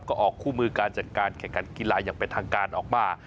ก็ออกคู่มือการจัดการแข่งขันกีฬาอย่างเป็นทางการออกมา